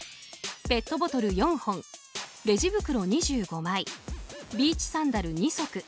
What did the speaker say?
ペットボトル４本レジ袋２５枚ビーチサンダル２足。